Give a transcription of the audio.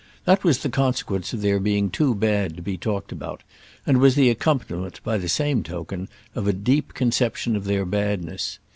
That was the consequence of their being too bad to be talked about, and was the accompaniment, by the same token, of a deep conception of their badness.